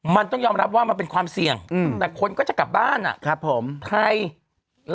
มันต้องยอมรับว่ามันเป็นความเสี่ยงอืมแต่คนก็จะกลับบ้านอ่ะครับผมใครเอ่อ